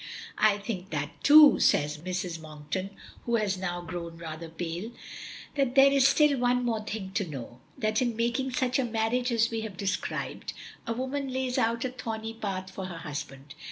"I think that too," says Mrs. Monkton, who has now grown rather pale. "But there is still one more thing to know that in making such a marriage as we have described, a woman lays out a thorny path for her husband.